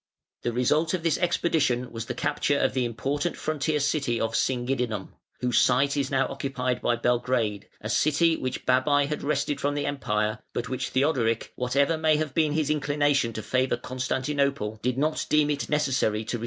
The result of this expedition was the capture of the important frontier city of Singidunum (whose site is now occupied by Belgrade), a city which Babai had wrested from the Empire, but which Theodoric, whatever may have been his inclination to favour Constantinople, did not deem it necessary to restore to his late host.